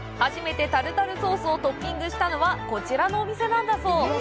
初めてタルタルソースをトッピングしたのはこちらのお店なんだそう。